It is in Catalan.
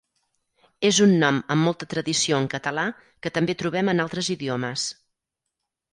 És un nom amb molta tradició en català que també trobem en altres idiomes.